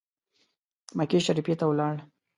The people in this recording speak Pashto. مکې شریفي ته ولاړ.